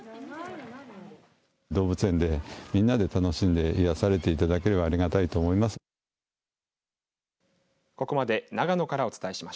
動物園でみんなで楽しんで癒されていただければありがたいと思います。